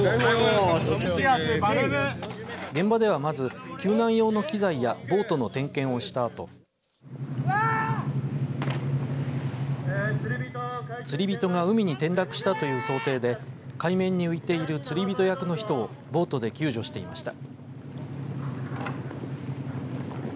現場ではまず救難用の機材やボートの点検をしたあと釣り人が海に転落したという想定で海面に浮いている釣り人役の人をボートで救助していました。